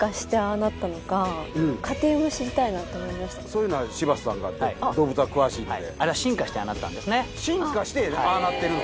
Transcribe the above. そういうのは柴田さんが動物は詳しいので。